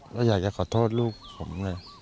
ไม่อยากจะขอโทษลูกผมเลย